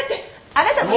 あなたも。